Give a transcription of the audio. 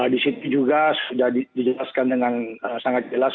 di situ juga sudah dijelaskan dengan sangat jelas